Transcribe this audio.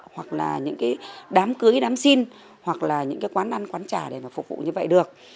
hoặc là những đám cưới đám xin hoặc là những quán ăn quán trà để phục vụ như vậy được